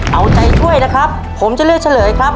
เอาใจช่วยนะครับผมจะเลือกเฉลยครับ